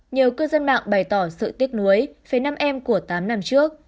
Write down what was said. nhiều cư dân mạng bày tỏ sự tiếc nuối về nam em của tám năm trước